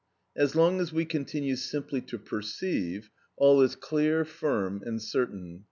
As long as we continue simply to perceive, all is clear, firm, and certain.